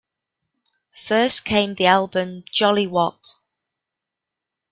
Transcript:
First came the album Jolly What!